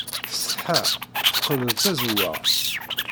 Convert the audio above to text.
Tessetḥa, teqqel d tazewwaɣt.